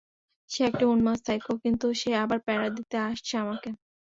সে একটা উম্মাদ সাইকো, কিন্তু সে আবার প্যারা দিতে আসছে আমাকে।